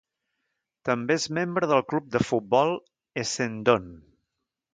També és membre del club de futbol Essendon.